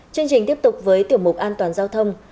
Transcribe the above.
chương trình tiếp tục với tiểu mục an toàn giao thông